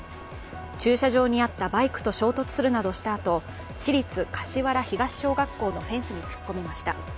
駐車場にあったバイクと衝突するなどしたあと、市立柏原東小学校のフェンスに突っ込みました。